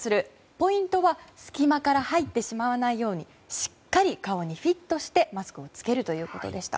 ポイントは隙間から入ってしまわないようにしっかり顔にフィットしてマスクを着けるということでした。